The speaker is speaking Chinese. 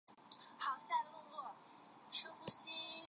还有许多年号在不同时期重复使用。